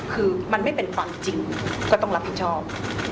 คือมันไม่เป็นความจริงก็ต้องรับผิดชอบ